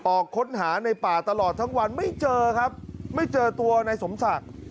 ออกค้นหาในป่าตลอดทั้งวันไม่เจอครับไม่เจอตัวในสมศักดิ์